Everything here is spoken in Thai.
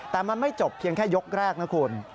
แต่มันไม่จบเพียงแค่ยกแรกนะคุณ